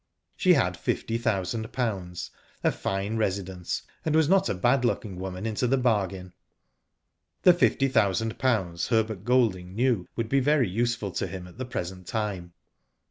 She had fifty thousand pounds, a fine residence/ and was not a bad looking woman into the bargain. The fifty thousand pounds Herbert Golding knew would be very useful to him at the present time.